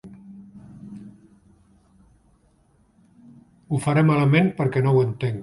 Ho faré malament perquè no ho entenc.